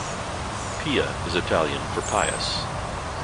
Pia is Italian for pious.